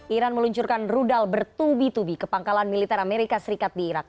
iran meluncurkan rudal bertubi tubi ke pangkalan militer amerika serikat di irak